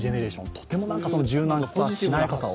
とても柔軟さ、しなやかさを。